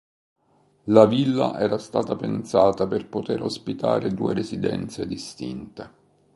La villa era stata pensata per poter ospitare due residenze distinte.